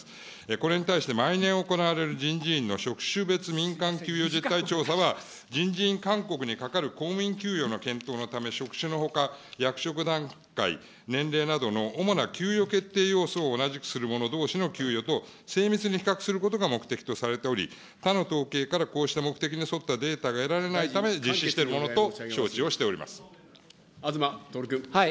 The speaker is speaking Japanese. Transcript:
これに対して毎年行われる人事院の職種別民間給与実態調査は、人事院勧告にかかる公務員給与の検討のため、職種のほか、役職段階、年齢などの主な給与決定要素を同じくする者どうしの給与と精密に比較することが目的とされており、他の統計からこうした目的に沿ったデータが得られないため実施し東徹君。